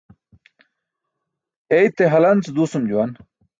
Eite halance duusum juwan.